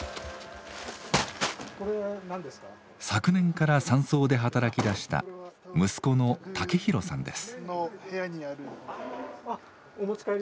昨年から山荘で働きだした息子の雄大さんです。